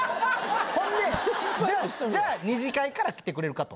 ほんで「じゃあ２次会から来てくれるか？」と。